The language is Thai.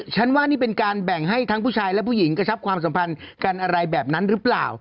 ฉันว่านี่เป็นการแบ่งให้ทั้งผู้ชายและผู้หญิงกระชับความสัมพันธ์กันอะไรแบบนั้นหรือเปล่า